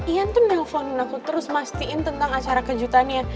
ian tuh nelfon aku terus mastiin tentang acara kejutannya